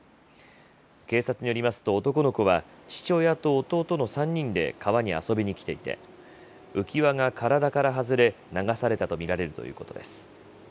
警察によりますと、男の子は父親と弟の３人で川に遊びにきていて、浮き輪が体から外れ、流されたと見られるということです。